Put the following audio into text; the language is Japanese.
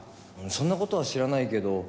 そんな事は知らないけど。